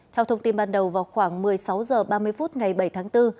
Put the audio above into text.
theo thông tin ban đầu vào khoảng một mươi sáu h ba mươi phút ngày bảy tháng bốn